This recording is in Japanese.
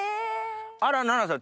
あら奈々さん